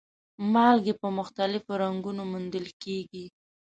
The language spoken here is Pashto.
مالګې په مختلفو رنګونو موندل کیږي.